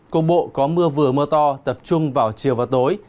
cục bộ có mưa vừa mưa to tập trung vào chiều và tối